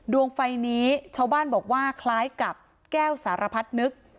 ดวงไฟนี้ชาวบ้านบอกว่าคล้ายกับแก้วสารพัดนึก